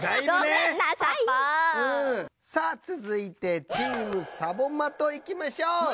さあつづいてチームサボマトいきましょう！